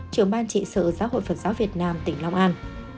trưởng ban trị sự giáo hội phật giáo việt nam tỉnh long an